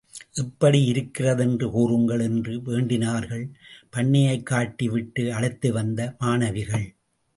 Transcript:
எப்படி இருக்கிறதென்று கூறுங்கள் என்று வேண்டினார்கள், பண்ணையைக் காட்டி விட்டு அழைத்து வந்த மாணவிகள்.